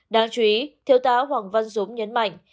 đáng chú ý thiếu tá hoàng văn dũng nhấn mạnh